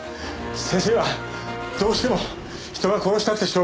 先生はどうしても人が殺したくてしょうがないんでしょう？